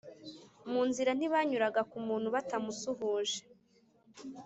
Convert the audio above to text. Mu nzira, ntibanyuraga ku muntu batamusuhuje.